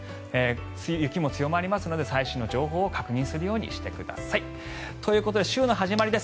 雪も強まりますので最新の情報を確認するようにしてください。ということで週の始まりです。